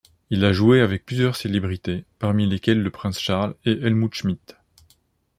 Il a joué avec plusieurs célébrités, parmi lesquelles le prince Charles et Helmut Schmidt.